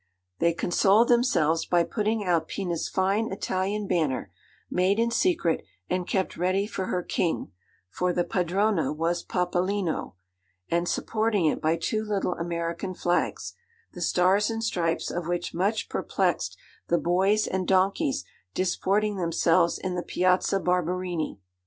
They consoled themselves by putting out Pina's fine Italian banner (made in secret, and kept ready for her King, for the padrona was papalino), and supporting it by two little American flags, the stars and stripes of which much perplexed the boys and donkeys disporting themselves in the Piazza Barberini.